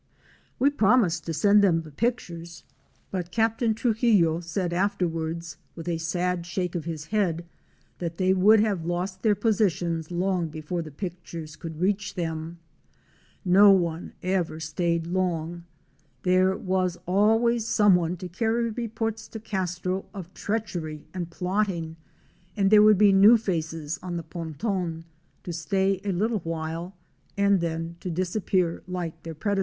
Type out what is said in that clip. We promised to send them the pictures; but Captain Trux 76 OUR SEARCH FOR A WILDERNESS. illo said afterwards with a sad shake of his head that they would have lost their positions long before the pictures could reach them. No one ever stayed long; there was always someone to carry reports to Castro of treachery and plotting, and there would be new faces on the "' Pontén," to stay a little while and then to disappear like their predecessors. Fic.